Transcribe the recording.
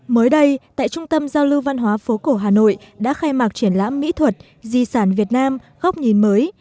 mới đây tại trung tâm giao lưu văn hóa phố cổ hà nội đã khai mạc triển lãm mỹ thuật di sản việt nam góc nhìn mới